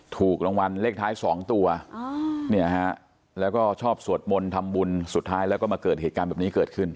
ถูกรางวัลเลขท้าย๒ตัวแล้วก็ชอบสวดมนต์ทำบุญสุดท้ายแล้วก็มาเกิดเหตุการณ์แบบนี้เกิดขึ้น